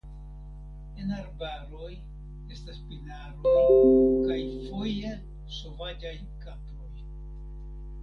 En arbaroj estas pinaroj kaj foje sovaĝaj kaproj.